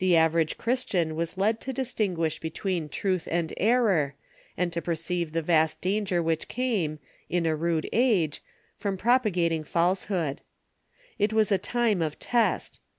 The average Christian was led to distinguish between truth and error, and to perceive the vast danger which came, in a rude age, from propagating falsehood. It was a time of test.